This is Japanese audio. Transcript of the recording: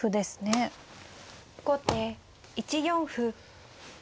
後手１四歩。